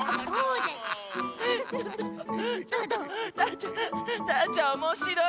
ちゃんたーちゃんおもしろい。